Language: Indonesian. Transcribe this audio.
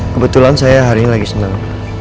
kebetulan saya hari ini lagi senang